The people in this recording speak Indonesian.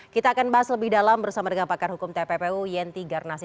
kita akan bahas lebih dalam bersama dengan pakar hukum tppu yenti garnasi